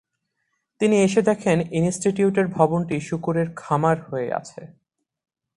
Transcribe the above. তিনি এসে দেখেন ইনস্টিটিউটের ভবনটি শূকরের খামাড় হয়ে আছে।